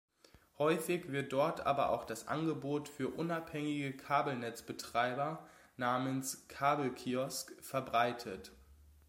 Häufig wird dort aber auch das Angebot für unabhängige Kabelnetzbetreiber, namens Kabelkiosk verbreitet.